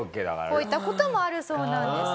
こういった事もあるそうなんです。